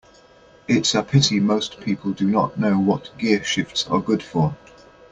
It's a pity most people do not know what gearshifts are good for.